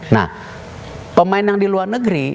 nah pemain yang di luar negeri